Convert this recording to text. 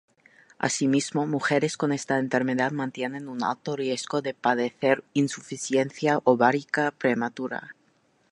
Asimismo, mujeres con esta enfermedad mantienen un alto riesgo de padecer insuficiencia ovárica prematura.